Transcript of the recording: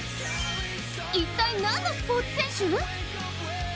一体、なんのスポーツ選手？